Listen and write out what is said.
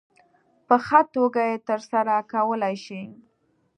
په ښه توګه یې ترسره کولای شي.